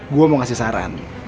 gue mau kasih saran